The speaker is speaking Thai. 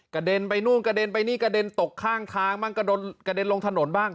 เด็นไปนู่นกระเด็นไปนี่กระเด็นตกข้างทางบ้างกระเด็นลงถนนบ้าง